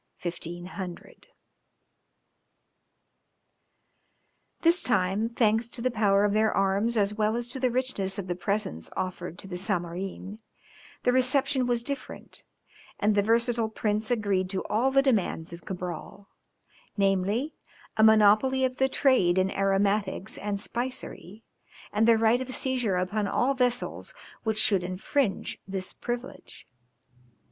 [Illustration: View of Quiloa. From an old print.] This time, thanks to the power of their arms as well as to the richness of the presents offered to the Zamorin, the reception was different, and the versatile prince agreed to all the demands of Cabral: namely, a monopoly of the trade in aromatics and spicery, and the right of seizure upon all vessels which should infringe this privilege.